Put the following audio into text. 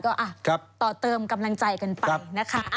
ก็ต่อเติมกำลังใจกันไปนะคะ